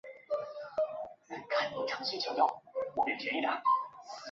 黄晓明被评为电视剧四大小生之一。